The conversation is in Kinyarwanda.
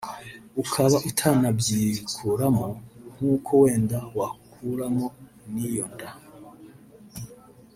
ukaba utanabyikuramo nk’uko wenda wakuramo n’iyo nda